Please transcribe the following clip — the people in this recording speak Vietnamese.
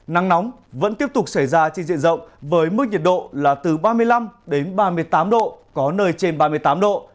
nắng nóng vẫn tiếp tục xảy ra trên diện rộng với mức nhiệt độ là từ ba mươi năm đến ba mươi tám độ có nơi trên ba mươi tám độ